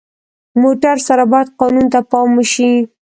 موټر سره باید قانون ته پام وشي.